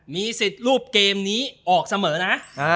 มีสิทธิ์รูปเกมนี้ออกเสมอนะ